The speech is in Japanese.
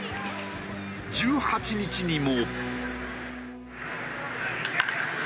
１８日にも。